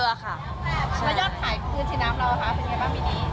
แล้วยอดขายพื้นสีน้ำเราคะเป็นไงบ้างปีนี้